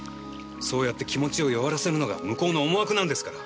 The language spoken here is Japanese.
そうやって気持ちを弱らせるのが向こうの思惑なんですから！